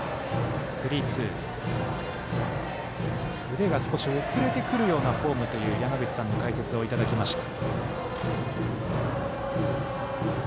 腕が少し遅れてくるようなフォームという山口さんの解説をいただきました。